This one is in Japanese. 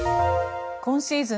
今シーズン